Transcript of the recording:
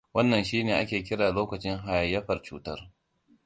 Wannan shine ake kira lokacin hayayyafar cutar.